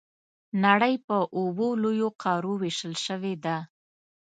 نړۍ په اووه لویو قارو وېشل شوې ده.